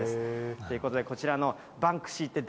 ということで、こちらのバンクシーって誰？